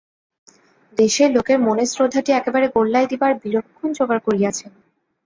দেশের লোকের মনের শ্রদ্ধাটি একেবারে গোল্লায় দিবার বিলক্ষণ যোগাড় করিয়াছেন।